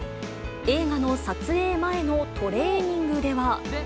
映画の撮影前のトレーニングでは。